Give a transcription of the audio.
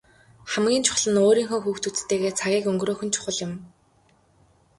Хамгийн чухал нь өөрийнхөө хүүхдүүдтэйгээ цагийг өнгөрөөх нь чухал юм.